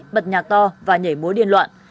bật nhạc to và nhảy múa điên loạn